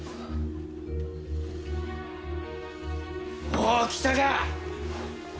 おお来たか！